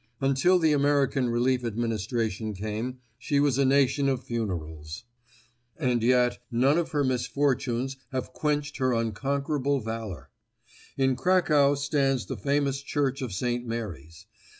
Until the American Relief Administration came, she was a nation of funerals. And yet none of her misfortunes have quenched her unconquerable valor. In Cracow stands the famous church of St. Mary's.